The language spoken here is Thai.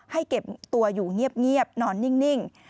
เก็บตัวอยู่เงียบนอนนิ่ง